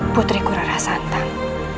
putriku rara santang